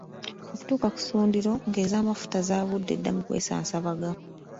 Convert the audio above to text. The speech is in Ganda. Okutuuka ku ssundiro ng’ez’amafuta zaagudde dda mu kwesaasabaga.